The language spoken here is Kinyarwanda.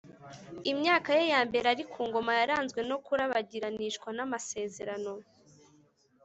imyaka ye ya mbere ari ku ngoma yaranzwe no kurabagiranishwa n’amasezerano,